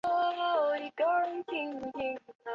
野芝麻马蓝为爵床科马蓝属下的一个种。